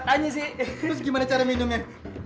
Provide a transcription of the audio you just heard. terus gimana cara minumnya